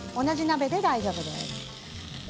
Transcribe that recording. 同じ鍋で大丈夫です。